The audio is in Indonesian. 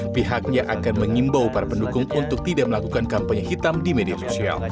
pihaknya akan mengimbau para pendukung untuk tidak melakukan kampanye hitam di media sosial